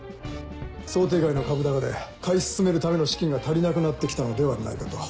想定外の株高で買い進めるための資金が足りなくなって来たのではないかと。